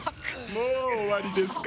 もう終わりですか？